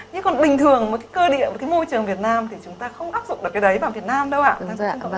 nhưng còn bình thường với cái cơ địa với cái môi trường việt nam thì chúng ta không áp dụng được cái đấy vào việt nam đâu ạ